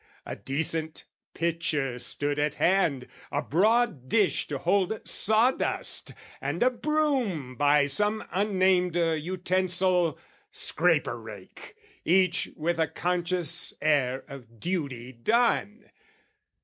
a decent pitcher stood at hand, A broad dish to hold sawdust, and a broom By some unnamed utensil, scraper rake, Each with a conscious air of duty done.